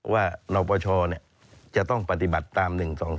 นปชจะต้องปฏิบัติตาม๑๒๒